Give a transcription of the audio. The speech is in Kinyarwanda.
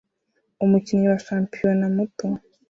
Umukinnyi wa shampiyona muto